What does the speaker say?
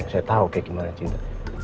saya tahu kayak gimana cinta